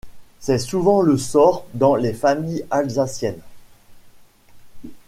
C'est souvent le sort dans les familles alsaciennes.